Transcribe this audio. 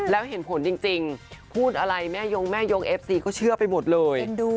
แล้วเห็นผลจริงพูดอะไรแม่ยงแม่ยงเอฟซีก็เชื่อไปหมดเลย